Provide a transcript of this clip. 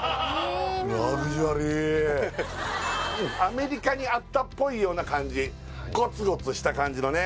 ラグジュアリーアメリカにあったっぽいような感じゴツゴツした感じのね